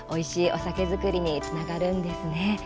お酒造りにつながるんですね。